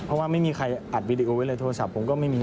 เพราะว่าไม่มีใครอัดวีดีโอไว้เลยโทรศัพท์ผมก็ไม่มี